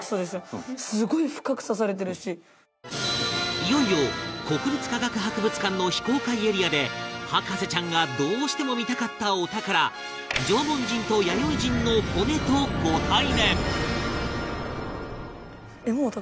いよいよ国立科学博物館の非公開エリアで博士ちゃんがどうしても見たかったお宝縄文人と弥生人の骨と、ご対面蓮君：もう、お宝？